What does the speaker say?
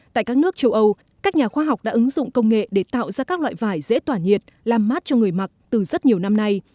tại các nước châu âu các nhà khoa học đã ứng dụng công nghệ để tạo ra các loại vải dễ tỏa nhiệt làm mát cho người mặc từ rất nhiều năm nay